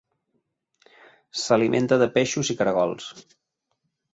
S'alimenta de peixos i caragols.